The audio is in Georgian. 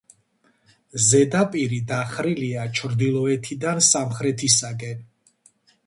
ზედაპირი დახრილია ჩრდილოეთიდან სამხრეთისაკენ.